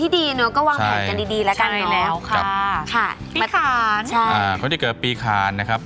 เดอะ